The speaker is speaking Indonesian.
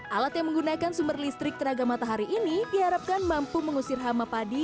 alat yang menggunakan sumber listrik tenaga matahari ini diharapkan mampu mengusir hama padi